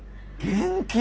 元気。